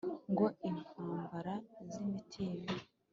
Ngo impambara z’imitimba